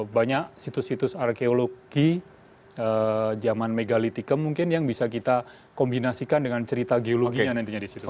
banyak situs situs arkeologi zaman megalitikum mungkin yang bisa kita kombinasikan dengan cerita geologinya nantinya disitu